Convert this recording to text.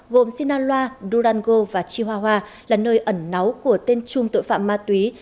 gồm sinaloa durango và chihuahua là nơi ẩn náu của tên chung tội phạm ma túy